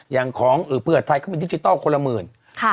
อย่างของอื่อเพื่ออาทัยเขาเป็นดิจิทัลคนละหมื่น